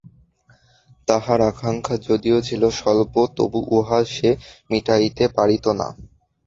তাহার আকাঙ্ক্ষা যদিও ছিল স্বল্প, তবু উহা সে মিটাইতে পারিত না।